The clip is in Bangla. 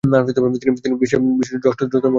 তিনি বিশ্বের ষষ্ঠ দ্রুততম ব্যাটসম্যান।